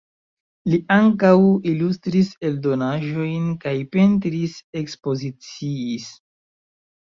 Li ankaŭ ilustris eldonaĵojn kaj pentris-ekspoziciis.